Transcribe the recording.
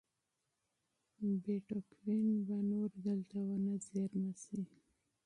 بېټکوین به نور دلته ونه زېرمه شي.